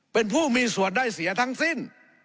เป็นผู้มีส่วนได้เสียทั้งสิ้น